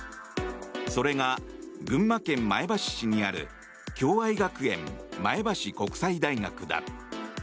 それが群馬県前橋市にある共愛学園前橋国際大学だ。